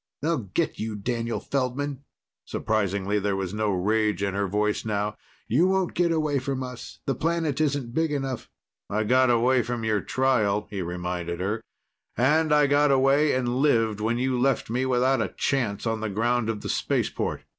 "They'll get you, Daniel Feldman!" Surprisingly, there was no rage in her voice now. "You won't get away from us. The planet isn't big enough." "I got away from your trial," he reminded her. "And I got away and lived when you left me without a chance on the ground of the spaceport."